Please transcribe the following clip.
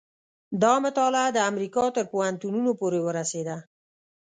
دا مطالعه د امریکا تر پوهنتونونو پورې ورسېده.